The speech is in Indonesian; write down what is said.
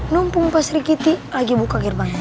numpung pak serikiti lagi buka gerbangnya